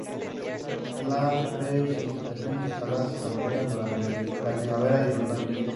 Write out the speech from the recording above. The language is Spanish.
Las precipitaciones, escasas, se concentran durante la primavera y el otoño.